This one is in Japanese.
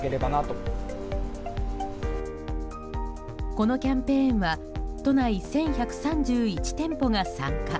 このキャンペーンは都内１１３１店舗が参加。